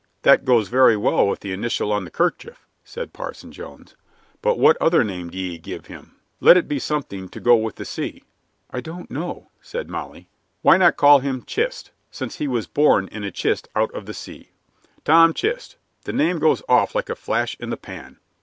"That goes very well with the initial on the kerchief," said Parson Jones. "But what other name d'ye give him? Let it be something to go with the C." "I don't know," said Molly. "Why not call him 'Chist,' since he was born in a chist out of the sea? 'Tom Chist' the name goes off like a flash in the pan."